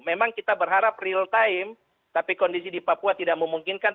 memang kita berharap real time tapi kondisi di papua tidak memungkinkan